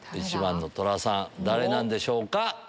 １番のトラさん誰なんでしょうか？